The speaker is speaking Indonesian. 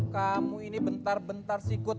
kamu ini bentar bentar sikut